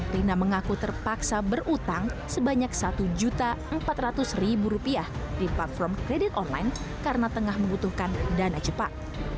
rina mengaku terpaksa berutang sebanyak rp satu empat ratus di platform kredit online karena tengah membutuhkan dana cepat